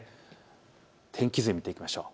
天気図で見ていきましょう。